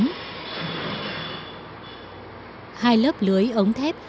hai lớp lưới ống thép